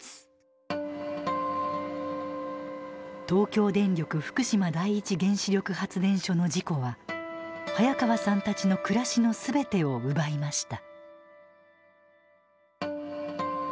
東京電力福島第一原子力発電所の事故は早川さんたちの暮らしの全てを奪いました。